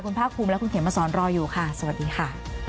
คุณภาคภูมิและคุณเขมมาสอนรออยู่ค่ะสวัสดีค่ะ